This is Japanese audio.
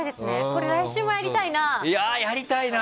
これ来週もやりたいな。